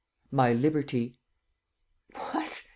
"My liberty." "What!